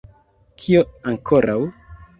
Kio ankoraŭ?